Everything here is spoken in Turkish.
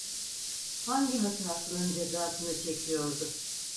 Hangi hatasının cezasını çekiyordu.